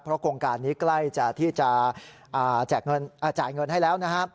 โครงการนี้ใกล้ที่จะจ่ายเงินให้แล้วนะครับ